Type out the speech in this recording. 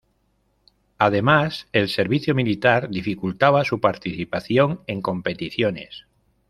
Además, el servicio militar dificultaba su participación en competiciones.